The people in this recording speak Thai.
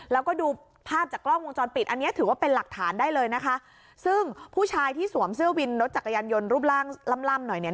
แล้วก็ดูภาพจากกล้องวงจรปิดอันเนี้ยถือว่าเป็นหลักฐานได้เลยนะคะซึ่งผู้ชายที่สวมเสื้อวินรถจักรยานยนต์รูปร่างล่ำล่ำหน่อยเนี่ย